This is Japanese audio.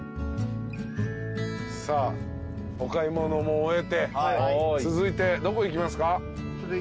さあお買い物も終えて続いてどこ行きますか？